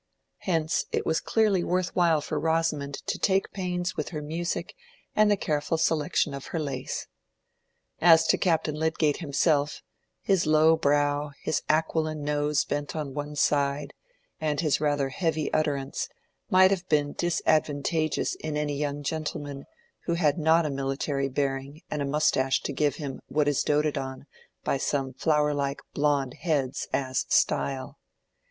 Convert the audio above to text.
Hence it was clearly worth while for Rosamond to take pains with her music and the careful selection of her lace. As to Captain Lydgate himself, his low brow, his aquiline nose bent on one side, and his rather heavy utterance, might have been disadvantageous in any young gentleman who had not a military bearing and mustache to give him what is doted on by some flower like blond heads as "style."